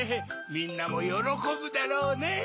みんなもよろこぶだろうねぇ。